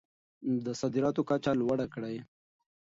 د صادراتو کچه لوړه کړئ.